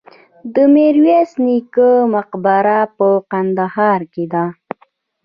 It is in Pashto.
د میرویس نیکه مقبره په کندهار کې ده